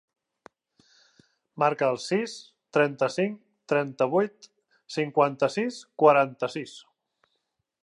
Marca el sis, trenta-cinc, trenta-vuit, cinquanta-sis, quaranta-sis.